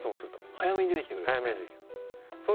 早めに出てきてくれるんですね。